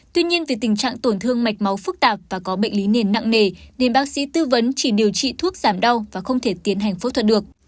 tuy nhiên vì tình trạng tổn thương mạch máu phức tạp và có bệnh lý nền nặng nề nên bác sĩ tư vấn chỉ điều trị thuốc giảm đau và không thể tiến hành phẫu thuật được